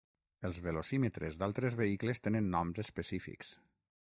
Els velocímetres d'altres vehicles tenen noms específics.